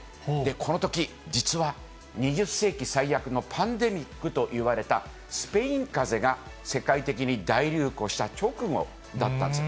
このとき、実は２０世紀最悪のパンデミックといわれた、スペイン風邪が世界的に大流行した直後だったんですよ。